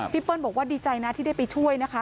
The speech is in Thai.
เปิ้ลบอกว่าดีใจนะที่ได้ไปช่วยนะคะ